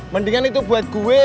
mendingan itu buat gue